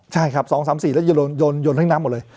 ใช่ครับสองสามสี่แล้วจะโยนโยนโยนทิ้งน้ำหมดเลย